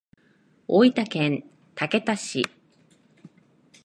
大分県竹田市